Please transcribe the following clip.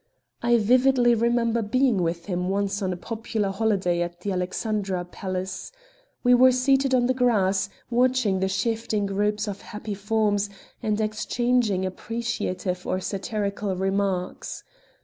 I vividly remember being with him once on a popular holiday at the Alexandra Palace. We were seated on the grass, watching the shifting groups of happy forms, and exchanging appreciative or satirical remarks.